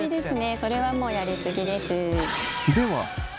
それはもうやり過ぎです。